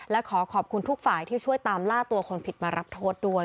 และขอขอบคุณทุกฝ่ายที่ช่วยตามล่าตัวคนผิดมารับโทษด้วย